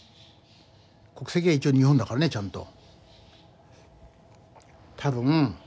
国籍は一応日本だからねちゃんと。